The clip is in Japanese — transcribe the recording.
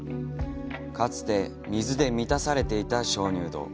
かつて水に満たされていた鍾乳洞。